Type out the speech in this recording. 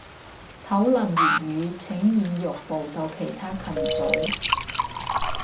討論粵語請移玉步到其他群組